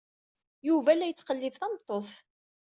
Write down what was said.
Yuba la yettqellib tameṭṭut.